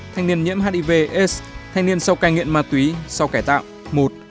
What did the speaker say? thanh niên nhiễm hiv s thanh niên sau cai nghiện ma túy sau cải tạo một